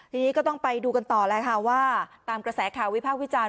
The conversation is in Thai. ทีนี้ก็ต้องไปดูกันต่อแล้วค่ะว่าตามกระแสข่าววิพากษ์วิจารณ์